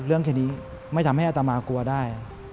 เรื่องคดีไม่ทำให้อัตมากลัวได้